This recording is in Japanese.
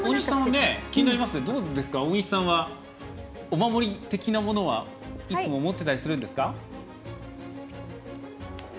どうですか、大西さんはお守り的なものはいつも持ってたりするんですか？